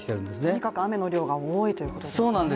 とにかく雨の量が多いということですね。